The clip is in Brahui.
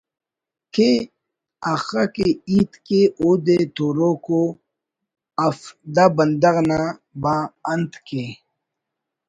کے اخہ کہ ہیت کے اودے توروک ءُ اف دا بندغ نا با انت کہ